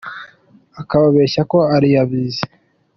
Akababeshya ko ariyo abizi